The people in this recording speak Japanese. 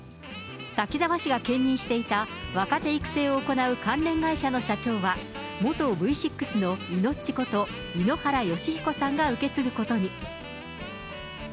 滝沢氏が兼任していた若手育成を行う関連会社の社長は、元Ｖ６のイノッチこと井ノ原快彦さんが受け継ぐことに。